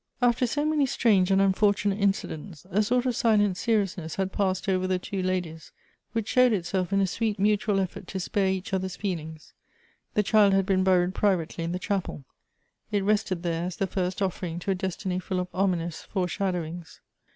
After so many strange and unfortunate incidents, a Electivb Affinities. 289 sort of silent seriousness had passed over the two ladies, which showed itself in a sweet mutual effort to spare each other's feelings. The child had been buried privately in the chapel. It rested there as the first offering to a des tiny full of ominous foresh ado wings.